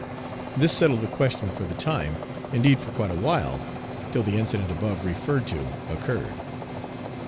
This settled the question for the time, indeed for quite a while, till the incident above referred to occurred.